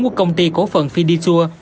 của công ty cổ phần fiditur